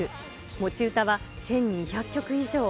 持ち歌は１２００曲以上。